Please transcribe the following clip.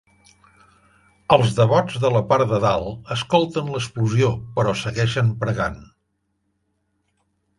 Els devots de la part de dalt escolten l'explosió però segueixen pregant.